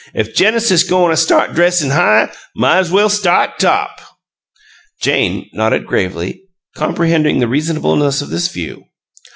'Ef Genesis go'n' a start dressin' high, might's well start top!'" Jane nodded gravely, comprehending the reasonableness of this view.